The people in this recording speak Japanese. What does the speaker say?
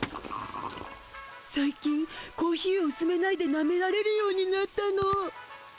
さい近コーヒーをうすめないでなめられるようになったの。